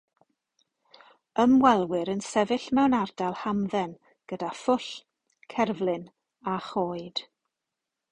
Ymwelwyr yn sefyll mewn ardal hamdden gyda phwll, cerflun a choed.